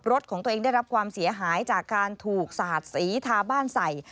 รถของตัวเองได้รับความเสียหายจากการถูกสาดสีทาบ้านใส่